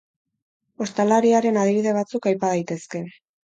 Ostalariaren adibide batzuk aipa daitezke.